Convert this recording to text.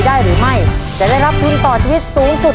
ถ้าไม่เกิน๓นาทีนั่นหมายถึงภารกิจครอบครัวข้อนี้ทำได้นะครับ